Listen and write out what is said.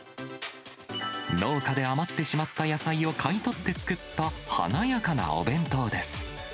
農家で余ってしまった野菜を買い取って作った華やかなお弁当です。